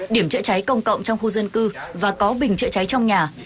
điểm chữa cháy công cộng trong khu dân cư và có bình chữa cháy trong nhà